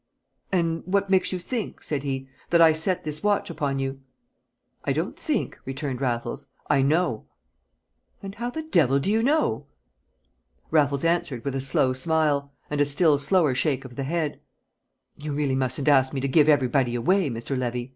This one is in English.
"And what makes you think," said he, "that I set this watch upon you?" "I don't think," returned Raffles. "I know." "And how the devil do you know?" Raffles answered with a slow smile, and a still slower shake of the head: "You really mustn't ask me to give everybody away, Mr. Levy!"